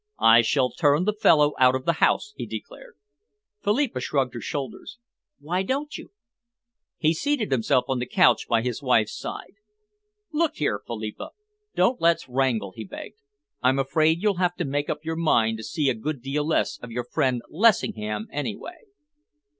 "I shall turn the fellow out of the house," he declared. Philippa shrugged her shoulders. "Why don't you?" He seated himself on the couch by his wife's side. "Look here, Philippa, don't let's wrangle," he begged. "I'm afraid you'll have to make up your mind to see a good deal less of your friend Lessingham, anyway."